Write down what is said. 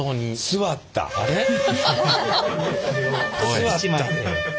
座ったで。